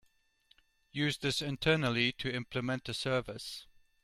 Use this internally to implement a service.